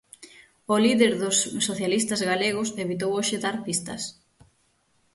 O líder dos socialistas galegos evitou hoxe dar pistas.